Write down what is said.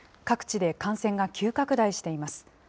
各地で感染が急拡大しています。